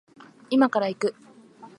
今から行く